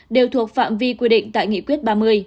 đều thuộc phạm vi quy định tại nghị quyết ba mươi